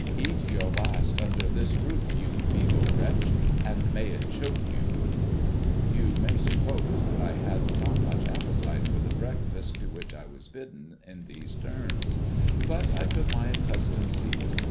Eat your last under this roof, you feeble wretch, and may it choke you !' You may suppose that I had not much appetite for the breakfast to which I was bidden in these terms ; but, I took my accustomed seat.